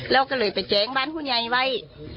แล้วก็เลยไปแจ้งบ้านผู้ใหญ่ไว้